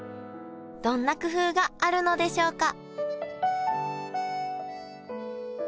どんな工夫があるのでしょうか？